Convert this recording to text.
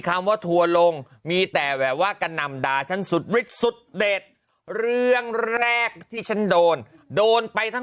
คำว่าทัวร์ลงมีแต่แบบว่ากระหน่ำด่าฉันสุดฤทธิสุดเด็ดเรื่องแรกที่ฉันโดนโดนไปทั้ง